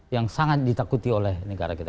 yang sangat ditakuti oleh negara kita